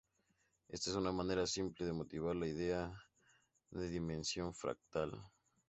Ésta es una manera simple de motivar la idea de dimensión fractal.